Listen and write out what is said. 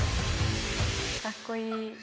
かっこいい。